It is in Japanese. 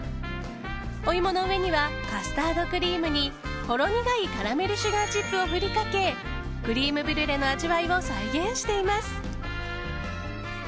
お芋の上にはカスタードクリームにほろ苦いカラメルシュガーチップをふりかけクリームブリュレの味わいを再現しています。